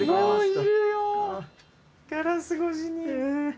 ガラス越しに。